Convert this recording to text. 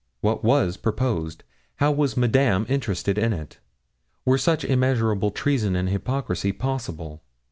What was proposed? How was Madame interested in it? Were such immeasurable treason and hypocrisy possible?